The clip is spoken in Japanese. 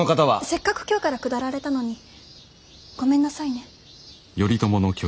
せっかく京から下られたのにごめんなさいね。